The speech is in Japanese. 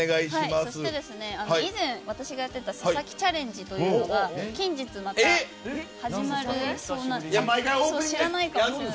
そして、以前、私がやっていた佐々木チャレンジが近日、また始まりそうなので。